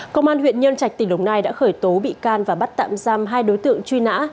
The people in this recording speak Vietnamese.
công an huyện nhân trạch tỉnh đồng nai đã khởi tố bị can và bắt tạm giam hai đối tượng truy nã